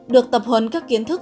được tập huấn các kiến thức